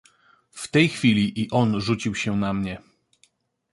"W tej chwili i on rzucił się na mnie."